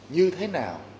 như thế nào